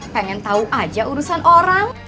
pengen tahu aja urusan orang